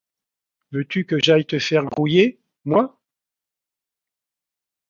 Veux-tu que j'aille te faire grouiller, moi!